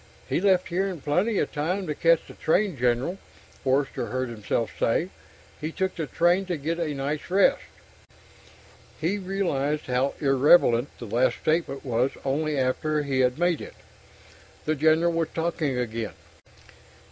"He left here in plenty of time to catch the train, General," Forster heard himself say. "He took the train to get a night's rest." He realized how irrelevant the last statement was only after he had made it. The General was talking again